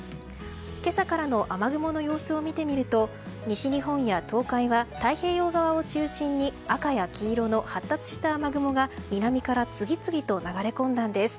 今朝からの雨雲の様子を見てみると西日本や東海は太平洋側を中心に赤や黄色の発達した雨雲が南から次々と流れ込んだんです。